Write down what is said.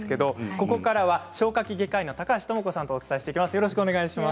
ここからは消化器外科医の高橋知子さんとお伝えしていきます。